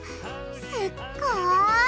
すっごい！